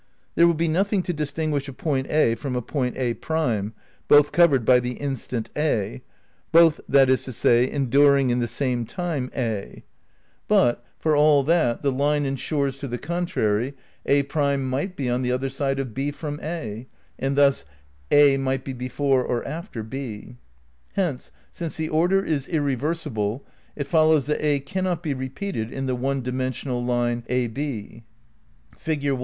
There will be nothing to distinguish a point a from a point a^, both covered by the instant A, both, that is to say, endur ing in the same time A; but, for all that the line ensures to the contrary, a^ might be on the other side of h from a, and thus A might be before or after B. "Hence, since the order is irreversible it follows that A cannot be repeated in the one dimensional line ab." Fig. I Fig.